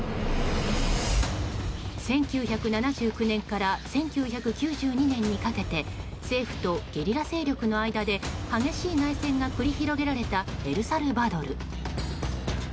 １９７９年から１９９２年にかけて政府とゲリラ勢力の間で激しい内戦が繰り広げられたエルサルバドル。